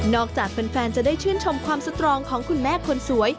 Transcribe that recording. จากแฟนจะได้ชื่นชมความสตรองของคุณแม่คนสวย